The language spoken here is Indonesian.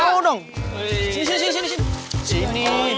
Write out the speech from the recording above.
gue mau dong sini sini sini sini